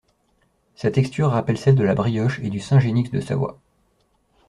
Sa texture rappelle celle de la brioche et du Saint genix de Savoie.